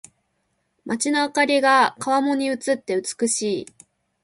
街の灯りが川面に映って美しい。